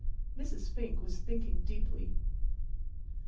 Mrs. Fink was thinking deeply.